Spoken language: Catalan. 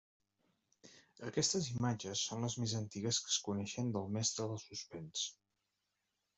Aquestes imatges són les més antigues que es coneixen del mestre del suspens.